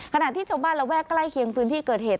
ขณะที่ชาวบ้านระแวกใกล้เคียงพื้นที่เกิดเหตุ